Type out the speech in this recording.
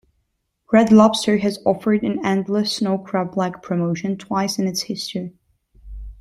Red Lobster has offered an endless snow crab leg promotion twice in its history.